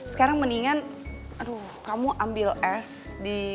sekarang mendingan aduh kamu ambil es